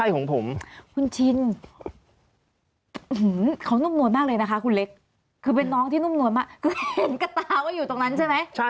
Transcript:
ของผมคุณเล็กคือเป็นน้องที่นุ่มนวลมา